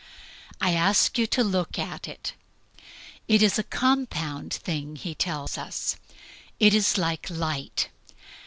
I ask you to look at it. It is a compound thing, he tells us. It is like light.